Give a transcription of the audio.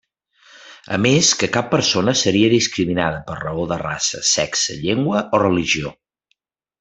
A més que cap persona seria discriminada per raó de raça, sexe, llengua o religió.